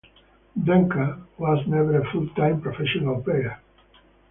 Denker was never a full-time professional player.